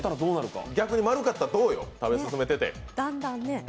逆に丸かったらどうよ、食べ進めてて。